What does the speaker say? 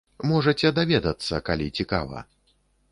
Можаце даведацца, калі цікава.